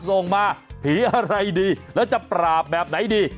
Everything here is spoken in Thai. ส่งมาผีอะไรดีแล้วจะปราบแบบไหนดี